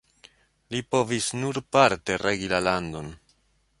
Li povis nur parte regi la landon.